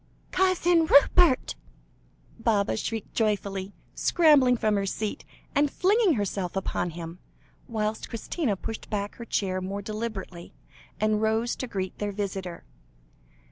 "Cousin Rupert!" Baba shrieked joyfully, scrambling from her seat, and flinging herself upon him, whilst Christina pushed back her chair more deliberately, and rose to greet their visitor.